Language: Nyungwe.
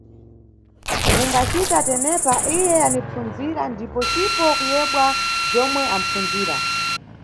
Mungacita tenepa iye anipfundzira ndipo cipo kuyebwa bzomwe apfundzira.